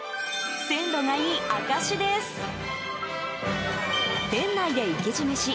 鮮度がいい証しです。